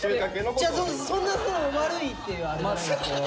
違うそんな悪いっていうあれじゃないんですけど。